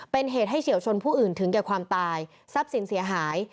เป็นเหตุให้เฉียวชนผู้อื่นถึงแก่ความตายทรัพย์สินเสียหาย